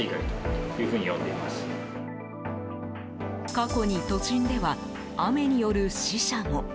過去に都心では雨による死者も。